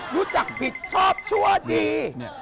รู้จักผิดชอบชั่วดี